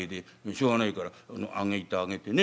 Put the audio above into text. しょうがないから上げ板上げてね